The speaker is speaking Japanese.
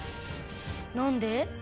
なんで？